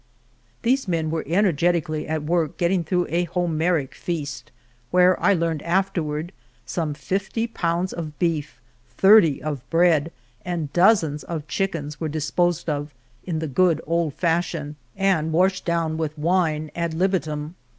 These men were energetically at work getting through a Homeric feast, where, I learned afterward, some fifty pounds of beef, thirty of bread, and dozens of chickens were disposed of in the good old fashion and If^'A'Vrt/yM'j;?* * i..lJ«J.V l.'J',M;0.. •. ifcjl C El Toboso washed down with wine ad libitum.